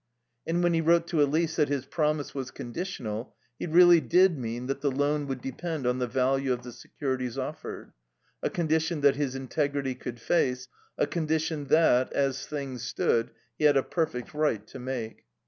And when he wrote to Elise that his promise was conditional he really did mean that the loan would depend on the value of the securities offered; a condition that his integrity could face, a condition that, as things stood, he had a perfect right to make.